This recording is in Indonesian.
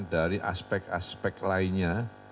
dari aspek aspek lainnya